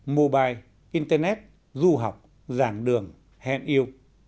mô bài internet du học dàng đường hẹn yêu